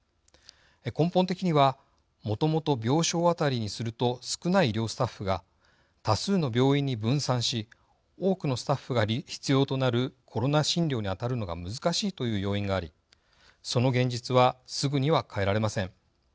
根本的には、もともと病床当たりにすると少ない医療スタッフが多数の病院に分散し多くのスタッフが必要となるコロナ診療に当たるのが難しいという要因がありその現実はすぐには変えられません。